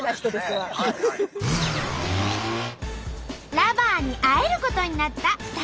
Ｌｏｖｅｒに会えることになった２人。